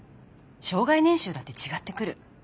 生涯年収だって違ってくる。